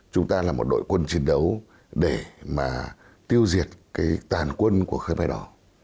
chúng ta là một đội quân chiến đấu để mà tiêu diệt cái tàn quân của khe đỏ